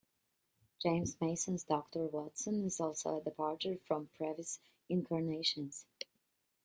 James Mason's Doctor Watson is also a departure from previous incarnations.